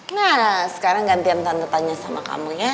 nah sekarang gantian tante tanya sama kamu ya